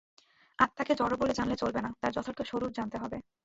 আত্মাকে জড় বলে জানলে চলবে না, তার যথার্থ স্বরূপ জানতে হবে।